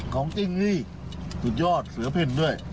จริงนี่สุดยอดเสือเพ่นด้วย